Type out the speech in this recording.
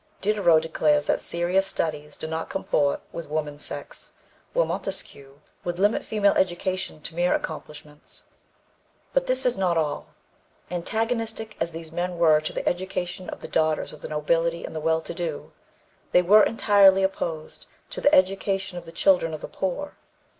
Diderot declares that serious studies do not comport with woman's sex, while Montesquieu would limit female education to mere accomplishments. But this is not all. Antagonistic as these men were to the education of the daughters of the nobility and the well to do, they were entirely opposed to the education of the children of the poor.